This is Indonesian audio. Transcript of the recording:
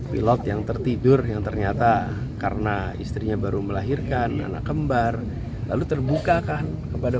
pilot yang tertidur yang ternyata karena istrinya baru melahirkan anak kembar lalu terbuka kan kepada